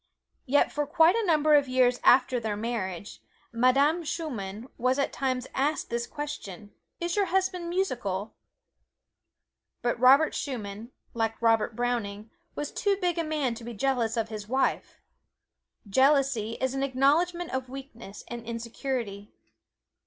Yet for quite a number of years after their marriage, Madame Schumann was at times asked this question: "Is your husband musical?" But Robert Schumann, like Robert Browning, was too big a man to be jealous of his wife. Jealousy is an acknowledgment of weakness and insecurity.